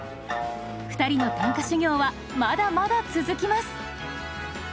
２人の短歌修行はまだまだ続きます。